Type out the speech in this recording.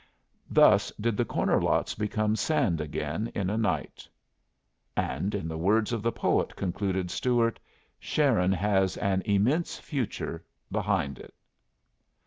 Thus did the corner lots become sand again in a night. "And in the words of the poet," concluded Stuart, "Sharon has an immense future behind it."